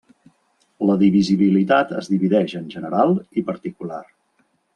La divisibilitat es divideix en general i particular.